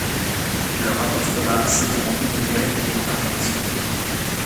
Leur apostolat s'étend en Uruguay et en Argentine.